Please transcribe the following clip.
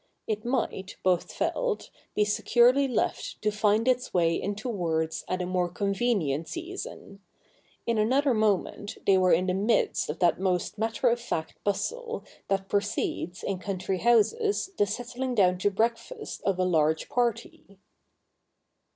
It might, both felt, be securely left to find its way into words at a more convenient season. In an other moment they were in the midst of that most matter of fact bustle that precedes in country houses the settling down to breakfast of a large party.